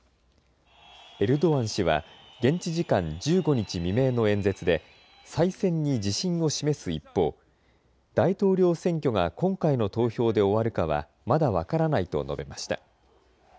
エルドアン氏は現地時間１５日未明の演説で再選に自信を示す一方、大統領選挙が今回の投票で終わるかはまだ分からないと述べました。